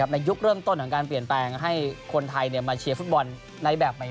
ยุคเริ่มต้นของการเปลี่ยนแปลงให้คนไทยมาเชียร์ฟุตบอลในแบบใหม่